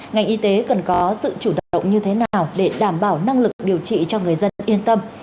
ngành y tế cần có sự chủ động như thế nào để đảm bảo năng lực điều trị cho người dân yên tâm